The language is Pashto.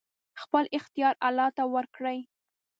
خپل اختيار الله ته ورکړئ!